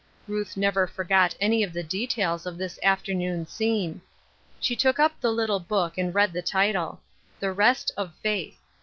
Ruth never forgot any of the details of this afternoon scene. She took up the little book and read the title .^ The Rest of Faith."